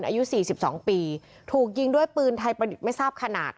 อายุ๔๒ปีถูกยิงด้วยปืนไทยประดิษฐ์ไม่ทราบขนาด